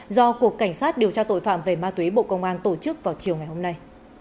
do cục cảnh sát điều tra tội phạm về ma túy bộ công an tổ chức vào chiều ngày hôm nay